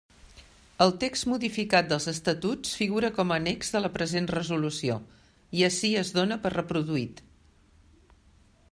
El text modificat dels Estatuts figura com a annex de la present resolució, i ací es dóna per reproduït.